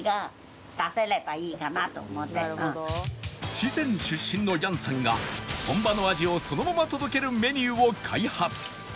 四川出身の楊さんが本場の味をそのまま届けるメニューを開発